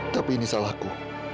tapi ini salahku